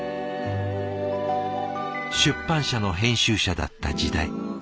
出版社の編集者だった時代。